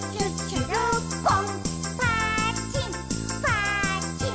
「ぱっちんぱっちん」